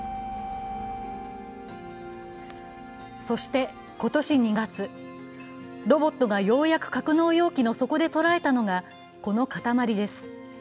そして今年２月、ロボットがようやく格納容器の底で捉えたのがこの塊です。